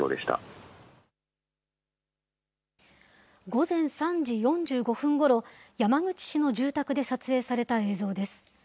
午前３時４５分ごろ、山口市の住宅で撮影された映像です。